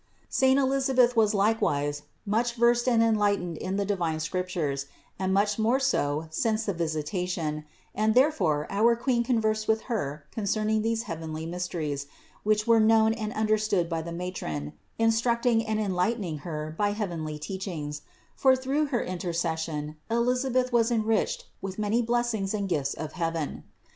249. Saint Elisabeth was likewise much versed and enlightened in the divine Scriptures, and much more so since the Visitation; and therefore our Queen conversed with Her concerning these heavenly mysteries, which were known and understood by the matron, instructing and enlightening her by heavenly teachings; for through her intercession Elisabeth was enriched with many bless ings and gifts of heaven.